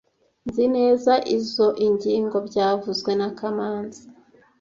Nzi neza izoi ngingo byavuzwe na kamanzi